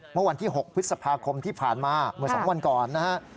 เมื่อวันที่๖พฤษภาคมที่ผ่านมาเมื่อ๒วันก่อนนะฮะ